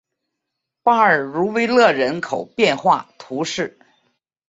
巴尔茹维勒人口变化图示